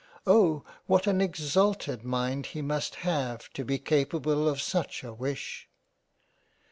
Oh ! what an exalted mind he must have to be capable of such a wish